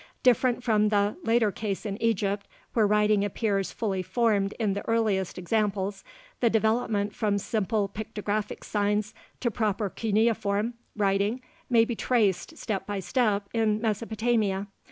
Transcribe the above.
Different from the later case in Egypt, where writing appears fully formed in the earliest examples, the development from simple pictographic signs to proper cuneiform writing may be traced, step by step, in Mesopotamia.